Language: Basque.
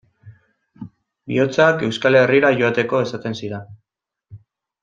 Bihotzak Euskal Herrira joateko esaten zidan.